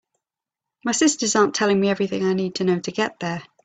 My sisters aren’t telling me everything I need to know to get there.